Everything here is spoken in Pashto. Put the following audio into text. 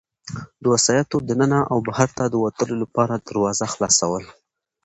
د وسایطو د ننه او بهرته د وتلو لپاره دروازه خلاصول.